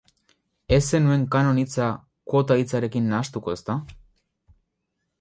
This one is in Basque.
Ez zenuen kanon hitza kuota hitzarekin nahastuko, ezta?